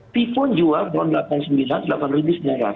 pipo jual ron delapan puluh sembilan rp delapan sembilan ratus